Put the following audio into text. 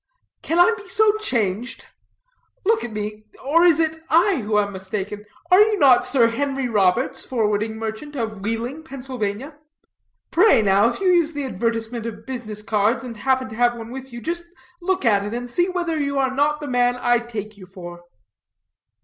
"Can I be so changed? Look at me. Or is it I who am mistaken? Are you not, sir, Henry Roberts, forwarding merchant, of Wheeling, Pennsylvania? Pray, now, if you use the advertisement of business cards, and happen to have one with you, just look at it, and see whether you are not the man I take you for."